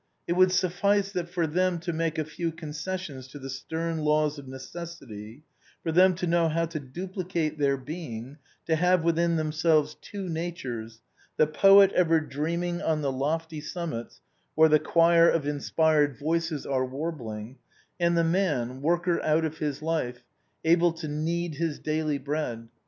It would suffice for that for them to make a few concessions to the stern laws of necessity ; for them to know how to duplicate their being, to have within themselves two natures, the poet ever dreaming on the lofty sunmiits where the choir of inspired voices are warbling, and the man, worker out of his life, able to knead his daily bread.